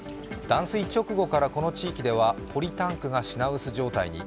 断水直後からこの地域ではポリタンクが品薄状態に。